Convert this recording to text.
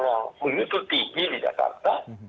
yang begitu tinggi di jakarta